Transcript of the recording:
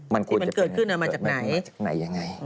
มันควรจะเป็นอย่างไรมันเกิดขึ้นมาจากไหน